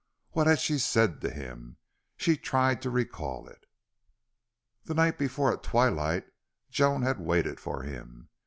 What had she said to him? She tried to recall it. The night before at twilight Joan had waited for him.